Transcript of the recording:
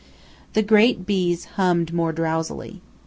The great bees hummed more drowsily.